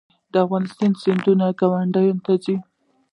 د افغانستان سیندونه ګاونډیو ته ځي